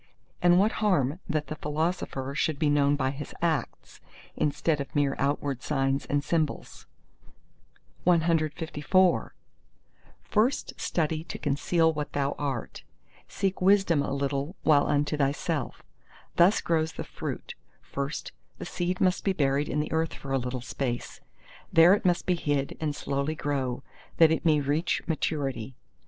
And what harm that the philosopher should be known by his acts, instead of mere outward signs and symbols?" CLV First study to conceal what thou art; seek wisdom a little while unto thyself. Thus grows the fruit; first, the seed must be buried in the earth for a little space; there it must be hid and slowly grow, that it may reach maturity.